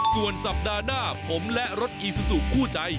ส่วนสัปดาห์หน้าผมและรถอีซูซูคู่ใจ